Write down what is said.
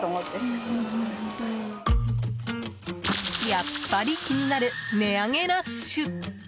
やっぱり気になる値上げラッシュ。